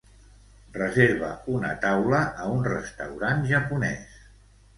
Reserva una taula a un restaurant japonès.